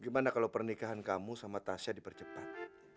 gimana kalau pernikahan kamu sama tasya dipercepat